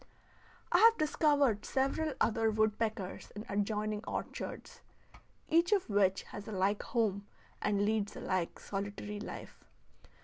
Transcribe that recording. I have discovered several other woodpeckers in adjoining orchards, each of which has a like home and leads a like solitary life.